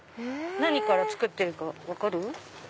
何から作ってるか分かる？